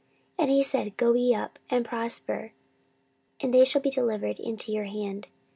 And he said, Go ye up, and prosper, and they shall be delivered into your hand.